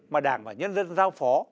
mà đảng và nhân dân giao phó